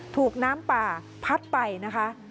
ถูกน้ำป่าพัดไปนะคะ